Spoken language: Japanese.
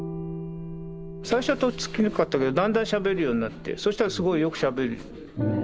最初はとっつきにくかったけどだんだんしゃべるようになってそしたらすごいよくしゃべるように。